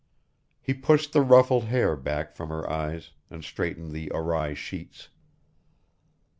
He pushed the ruffled hair back from her eyes and straightened the awry sheets.